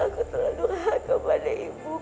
kamu tahu kamu harus berkata kata